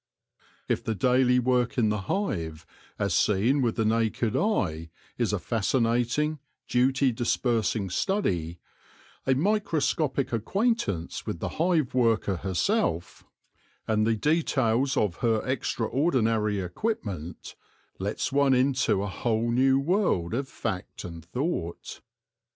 If the daily work in the hive, as seen with the naked eye, is a fascinating, duty dispersing study, a microscopic acquaintance with the hive worker herself, and the 102 THE LORE OF THE HONEY BEE details of her extraordinary equipment, lets one into a whole new world of fact and thought.